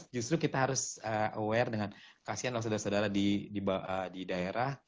justru kita harus aware dengan kasian loh saudara saudara di daerah